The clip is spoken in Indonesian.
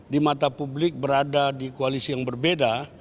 di mata publik berada di koalisi yang berbeda